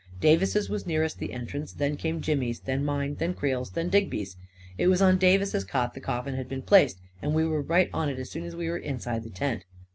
Davis's was nearest the entrance, and then came Jimmy's, and then mine, and then Creel's, and then Digby's. It was on Davis's cot the coffin had been placed, and we were right on it as soon as we were inside the tent.